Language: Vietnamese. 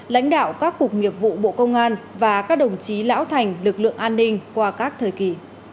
lãnh đạo các cục nghiệp vụ bộ công an và các đồng chí lão thành lực lượng an ninh qua các thời kỳ